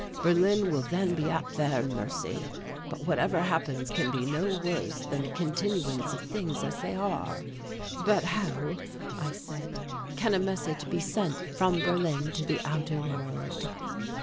Berlin will then be at their mercy, but whatever happens can be no worse than the continuance of things as they are." "But how," I said, "can a message be sent from Berlin to the outer world?"